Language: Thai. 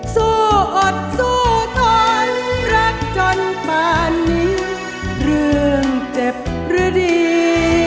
สู้อดสู้ทนรักจนป่านนี้เรื่องเจ็บหรือดี